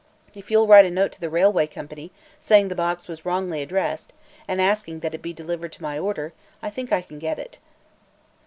If you'll write a note to the railway company, saying the box was wrongly addressed and asking that it be delivered to my order, I think I can get it."